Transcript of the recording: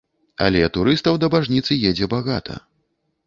Але турыстаў да бажніцы едзе багата.